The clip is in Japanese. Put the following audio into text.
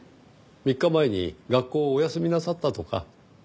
３日前に学校をお休みなさったとか。